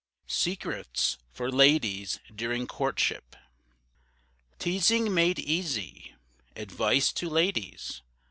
SECRETS, FOR LADIES DURING COURTSHIP. TEASING MADE EASY. ADVICE TO LADIES.